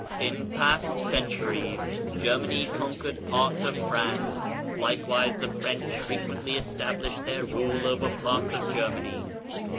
In past centuries Germany conquered parts of France, likewise the French frequently established their rule over parts of Gennany.